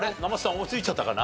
思いついちゃったかな？